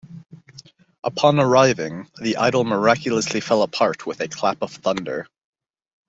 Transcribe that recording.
Upon arriving, the idol miraculously fell apart with a clap of thunder.